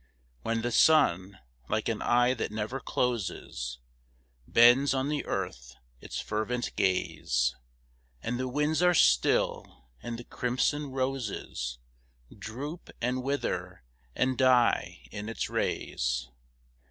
When the sun, like an eye that never closes, Bends on the earth its fervid gaze, And the winds are still, and the crimson roses Droop and wither and die in its rays.